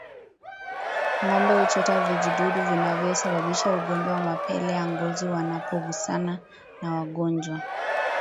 Ngombe huchota vijidudu vinavyosababisha ugonjwa wa mapele ya ngozi wanapogusana na wagonjwa